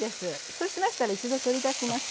そうしましたら一度取り出します。